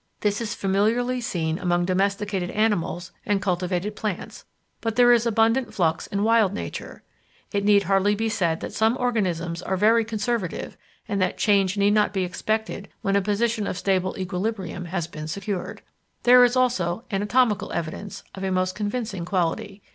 This is familiarly seen among domesticated animals and cultivated plants, but there is abundant flux in Wild Nature. It need hardly be said that some organisms are very conservative, and that change need not be expected when a position of stable equilibrium has been secured. There is also anatomical evidence of a most convincing quality.